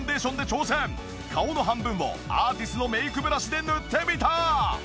顔の半分をアーティスのメイクブラシで塗ってみた！